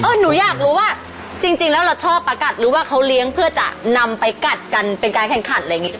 หนูอยากรู้ว่าจริงแล้วเราชอบประกัดหรือว่าเขาเลี้ยงเพื่อจะนำไปกัดกันเป็นการแข่งขันอะไรอย่างนี้